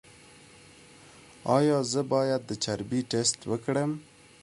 ایا زه باید د چربي ټسټ وکړم؟